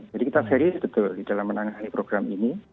jadi kita serius betul di dalam menangani program ini